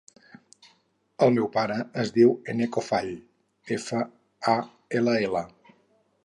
El meu pare es diu Eneko Fall: efa, a, ela, ela.